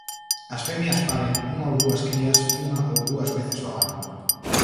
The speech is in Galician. A femias paren unha ou dúas crías unha ou dúas veces ao ano.